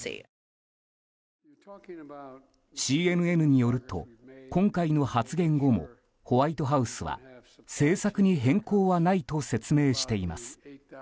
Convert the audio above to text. ＣＮＮによると今回の発言後もホワイトハウスは政策に変更はないと説明しています。